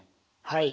はい。